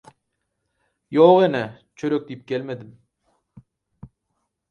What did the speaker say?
- Ýok ene, çörek diýip gelmedim.